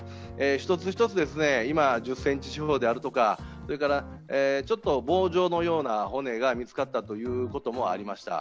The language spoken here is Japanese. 一つ一つ今、１０センチ四方であるとか、ちょっと棒状のような骨が見つかったということもありました。